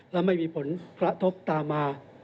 และไม่มีผลกระทบตามมา